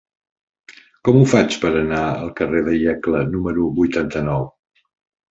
Com ho faig per anar al carrer de Iecla número vuitanta-nou?